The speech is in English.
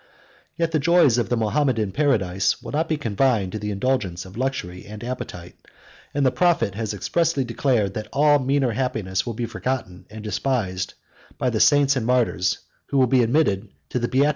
Yet the joys of the Mahometan paradise will not be confined to the indulgence of luxury and appetite; and the prophet has expressly declared that all meaner happiness will be forgotten and despised by the saints and martyrs, who shall be admitted to the beatitude of the divine vision.